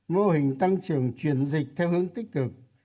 mô hình tăng trưởng chuyển dịch theo hướng tích cực